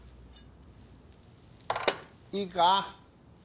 いいか？